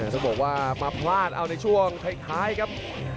ต้องบอกว่ามาพลาดเอาในช่วงท้ายครับ